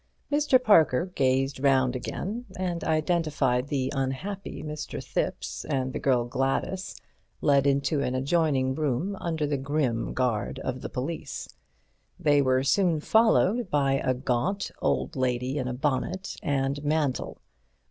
Mr. Parker gazed round again and identified the unhappy Mr. Thipps and the girl Gladys led into an adjoining room under the grim guard of the police. They were soon followed by a gaunt old lady in a bonnet and mantle.